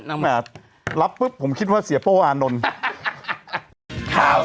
แหมรับปุ๊บผมคิดว่าเสียโป้อานนท์